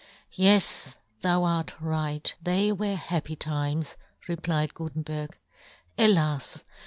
" Yes, thou art right ; they were " happy times," replied Gutenberg. " Alas